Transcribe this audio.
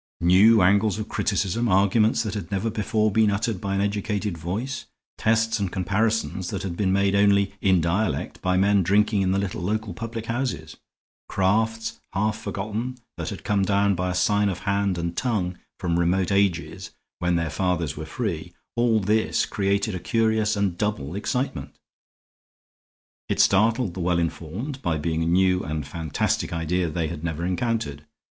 New angles of criticism, arguments that had never before been uttered by an educated voice, tests and comparisons that had been made only in dialect by men drinking in the little local public houses, crafts half forgotten that had come down by sign of hand and tongue from remote ages when their fathers were free all this created a curious and double excitement. It startled the well informed by being a new and fantastic idea they had never encountered.